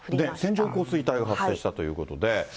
線状降水帯が発生したということで。